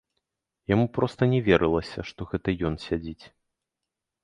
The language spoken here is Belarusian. Яму проста не верылася, што гэта ён сядзіць.